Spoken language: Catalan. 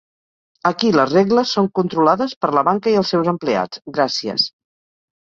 Aquí les regles són controlades per la banca i els seus empleats, gràcies.